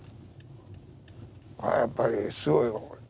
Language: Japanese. ああやっぱりすごいよこれ。